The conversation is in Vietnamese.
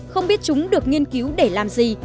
không biết chúng được nghiên cứu để làm gì